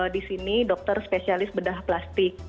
di sini dokter spesialis bedah plastik